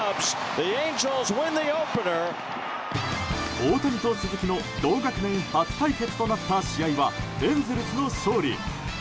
大谷と鈴木の同学年初対決となった試合はエンゼルスの勝利。